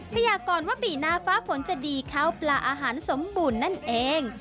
ยากรว่าปีหน้าฟ้าฝนจะดีข้าวปลาอาหารสมบูรณ์นั่นเอง